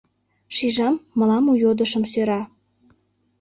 Шижам, мылам у йодышым сӧра: